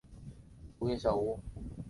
湖边小屋被视为统一国民党的阵营。